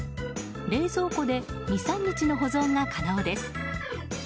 冷蔵庫で２、３日の保存が可能です。